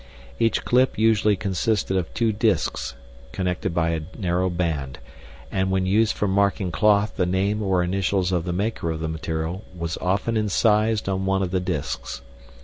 Each clip usually consisted of two discs connected by a narrow band, and when used for marking cloth the name or initials of the maker of the material was often incised on one of the discs.